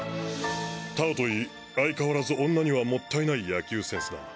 太鳳といい相変わらず女にはもったいない野球センスだ。